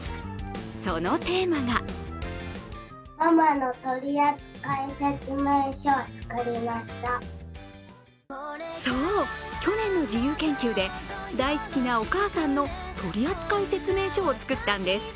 そのテーマがそう、去年の自由研究で大好きなお母さんの取扱説明書を作ったんです。